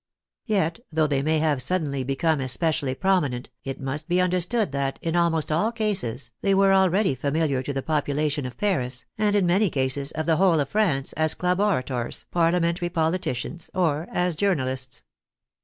Yet, though they may have suddenly be come especially prominent, it must be understood that, in almost all cases, they were already familiar to the popu lation of Paris, and, in many cases, of the whole of France, as club orators, parliamentary politicians, or as journalists.